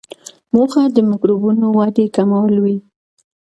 موخه د میکروبونو ودې کمول وي.